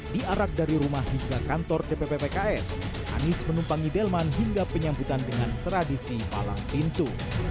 diarak dari rumah hingga kantor dpp pks anies menumpangi delman hingga penyambutan dengan tradisi palang pintu